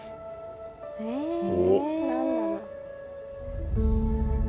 え何だろう。